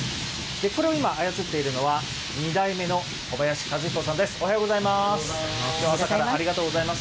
これを今、操っているのは２代目の小林和彦さんです、おはようございます。